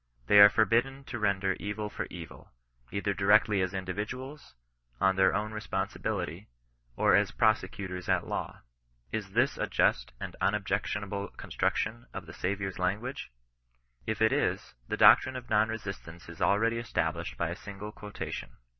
They are forbidden to render evil for evil, either directly as individuals, on their own responsibility, or as prosecutors at law. Is this a just and unobjectionable construction of the Saviour's lan guage? If it is, the doctrine of Non Resistance is already established by a single quotation.